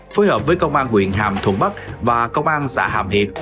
phối hợp với công an huyện hàm thuận bắc và công an xã hàm hiệp